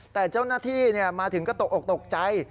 แต่เจ้าหน้าที่มาถึงก็ตกออกตกใจ